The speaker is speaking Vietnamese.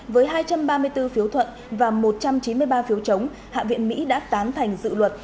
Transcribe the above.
với hai trăm ba mươi bốn phiếu thuận và một trăm chín mươi ba phiếu chống hạ viện mỹ đã tán thành dự luật